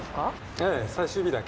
ええ最終日だけ。